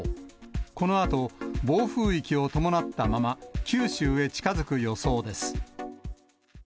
このあと、暴風域を伴ったまま、九州へ近づく予想です。